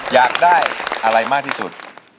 อยากได้อะไรมากที่สุด